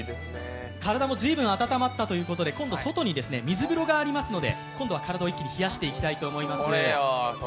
体も随分温まったということで、今度は外に水風呂がありますので、今度は体を一気に冷やしていきたいと思います。